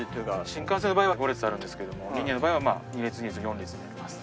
新幹線の場合は５列あるんですけどもリニアの場合は２列２列４列になります。